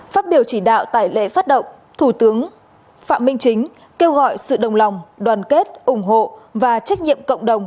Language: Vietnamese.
phát biểu chỉ đạo tại lễ phát động thủ tướng phạm minh chính kêu gọi sự đồng lòng đoàn kết ủng hộ và trách nhiệm cộng đồng